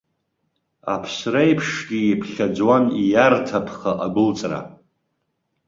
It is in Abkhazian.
Аԥсра аиԥшгьы иԥхьаӡон ииарҭа ԥха агәылҵра.